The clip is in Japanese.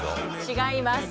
違います